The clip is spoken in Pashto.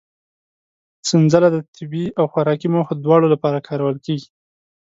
سنځله د طبي او خوراکي موخو دواړو لپاره کارول کېږي.